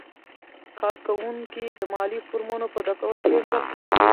کارکوونکي د مالي فورمو په ډکولو کې مرسته کوي.